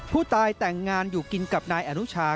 ผู้ตายแต่งงานอยู่กินกับนายอนุชา